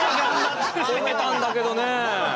褒めたんだけどね。